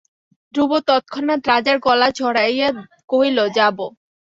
ধ্রুব তৎক্ষণাৎ রাজার গলা জড়াইয়া কহিল, যাব।